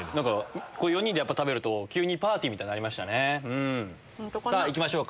４人で食べると急にパーティーみたいになりましたね。